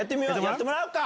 やってもらおうか。